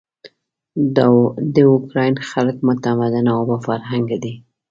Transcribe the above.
د اوکراین خلک متمدن او با فرهنګه دي.